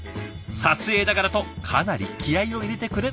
撮影だからとかなり気合いを入れてくれたんだとか。